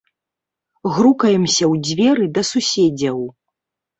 Грукаемся ў дзверы да суседзяў.